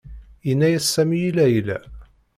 Yenna-as Sami i Layla.